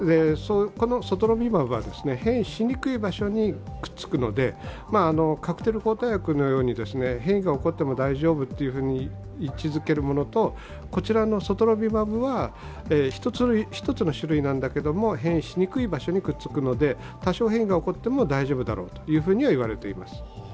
ソトロビマブは変異しにくい場所にくっつくので、カクテル抗体薬のように、変異が起こっても大丈夫というふうに位置づけるものと、ソトロビマブは１つ１つの種類なんだけども、変異しにくい場所にくっつくので、多少の変化が起こっても大丈夫だろうとはいわれています。